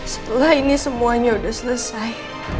setelah ini semuanya sudah selesai